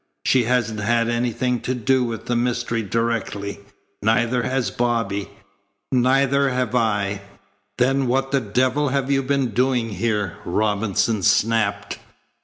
She hasn't had anything to do with the mystery directly. Neither has Bobby. Neither have I." "Then what the devil have you been doing here?" Robinson snapped.